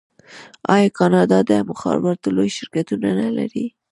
آیا کاناډا د مخابراتو لوی شرکتونه نلري؟